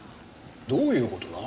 どういう事だ？